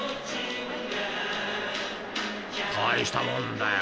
［大したもんだよ。